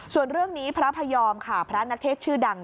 ส่วนเรื่องนี้พระพยอมค่ะพระนักเทศชื่อดัง